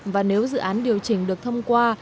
và nếu dự án điều chỉnh được thông qua